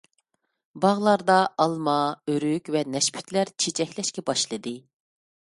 باغلاردا ئالما، ئۆرۈك ۋە نەشپۈتلەر چېچەكلەشكە باشلىدى.